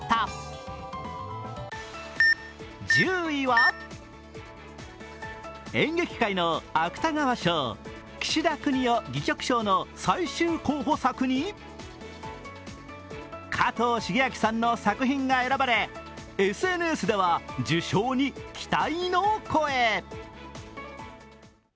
１０位は、演劇界の芥川賞、岸田國士戯曲賞の最終候補作に加藤シゲアキさんの作品が選ばれＳＮＳでは受賞に期待の声。